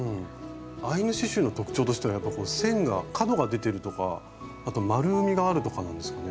アイヌ刺しゅうの特徴としてはやっぱこう線が角が出てるとかあとまるみがあるとかなんですかね？